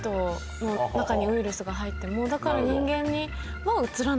だから。